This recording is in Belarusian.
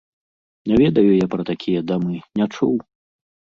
Не ведаю я пра такія дамы, не чуў.